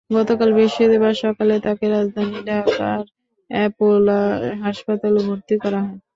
গতকাল বৃহস্পতিবার সকালে তাঁকে রাজধানী ঢাকার অ্যাপোলো হাসপাতালে ভর্তি করা হয়।